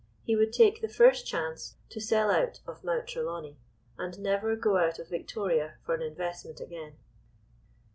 He would take the first chance to sell out of Mount Trelawney, and never go out of Victoria for an investment again.